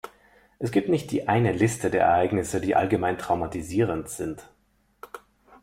Es gibt nicht die eine Liste der Ereignisse, die allgemein traumatisierend sind.